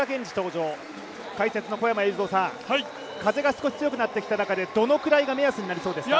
解説の小山裕三さん、風が少し強くなってきた中でどのくらいが目安になりそうですか。